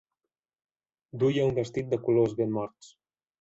Duia un vestit de colors ben morts.